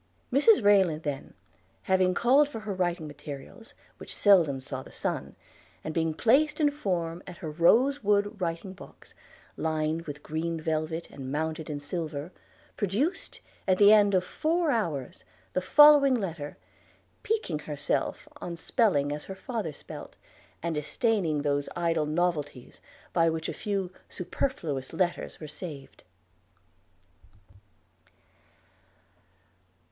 Mrs Rayland then, having called for her writing materials, which seldom saw the sun, and being placed in form at her rose wood writing box, lined with green velvet and mounted in silver, produced, at the end of four hours, the following letter, piquing herself on spelling as her father spelt, and disdaining those idle novelties by which a few superfluous letters are saved.